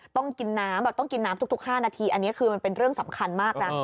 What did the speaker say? ต้องกินน้ำต้องกินน้ำทุก๕นาทีอันนี้คือมันเป็นเรื่องสำคัญมากนะ